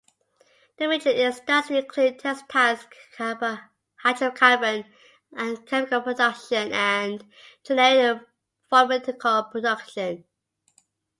The major industries include textiles, hydrocarbon and chemical production, and generic pharmaceutical production.